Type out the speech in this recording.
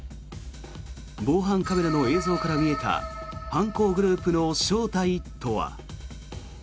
防犯カメラの映像から見えた犯行グループの正体とは？